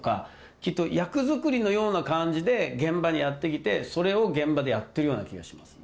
きっと役作りのような感じで現場にやって来てそれを現場でやってるような気がしますね。